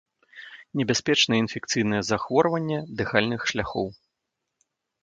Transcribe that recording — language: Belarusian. Небяспечнае інфекцыйнае захворванне дыхальных шляхоў.